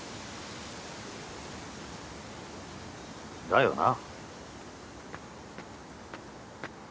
だよな。